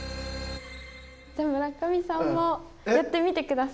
じゃ村上さんもやってみてください。